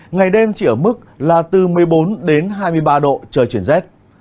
ngày đêm chỉ ở mức là từ một mươi bốn đến hai mươi ba độ trời chuyển rét